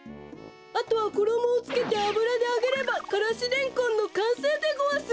あとはころもをつけてあぶらであげればからしレンコンのかんせいでごわす！